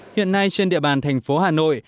hiện nay trên địa bàn thành phố hà nội